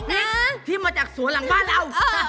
ซอสพริกที่ออกมาจากสวรรค์หลังบ้านเรา